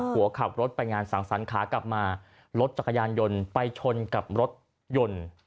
หัวขับรถไปงานสั่งสรรขากลับมารถจักรยานยนต์ไปชนกับรถยนต์